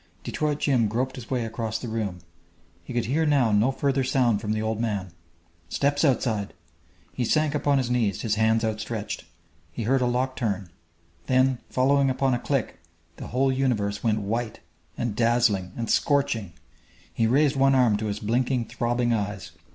Detroit Jim groped his way across the room. He could hear now no further sound from the old man.... Steps outside! He sank upon his knees, his hands outstretched. He heard a lock turn; then following upon a click the whole universe went white, and dazzling and scorching! He raised one arm to his blinking, throbbing eyes.